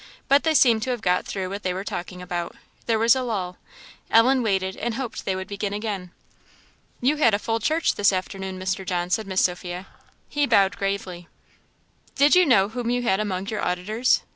But they seemed to have got through what they were talking about; there was a lull. Ellen waited and hoped they would begin again. "You had a full church this afternoon, Mr. John," said Miss Sophia. He bowed gravely. "Did you know whom you had among your auditors?